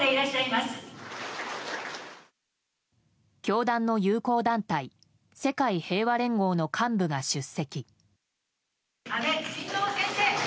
教団の友好団体世界平和連合の幹部が出席。